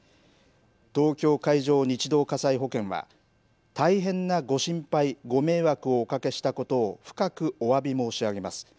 東京海上日動火災保険は、大変なご心配、ご迷惑をおかけしたことを深くおわび申し上げます。